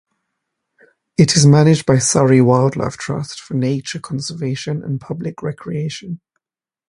It is managed by Surrey Wildlife Trust for nature conservation and public recreation.